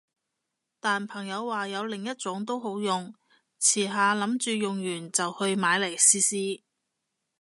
但朋友話有另一種都好用，遲下諗住用完就去買嚟試試